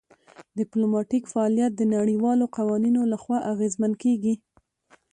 ډیپلوماتیک فعالیت د نړیوالو قوانینو لخوا اغیزمن کیږي